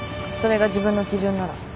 それが自分の基準なら。